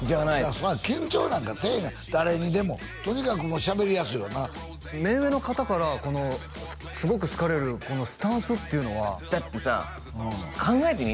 緊張なんかせえへん誰にでもとにかくしゃべりやすいわな目上の方からすごく好かれるこのスタンスっていうのはだってさ考えてみ？